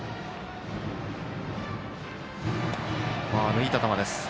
抜いた球でした。